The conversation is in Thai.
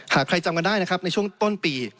หากใครจำกันได้นะครับในช่วงต้นปี